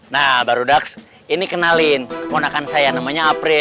nah baru daks ini kenalin keponakan saya namanya april